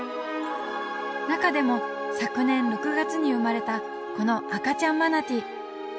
中でも昨年６月に生まれたこの赤ちゃんマナティー。